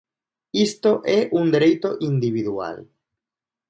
Isto é un dereito individual.